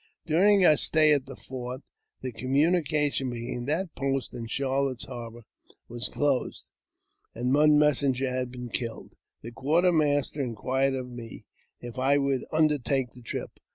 During our stay at the fort, the communication between that post and Charlotte's Harbour was closed, and one messenger had been killed. The quartermaster inquired of me if I would undertake the trip.